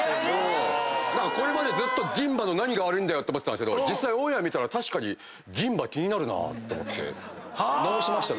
これまでずっと銀歯の何が悪いって思ってたんですけど実際オンエア見たら確かに銀歯気になるなと思って治しました。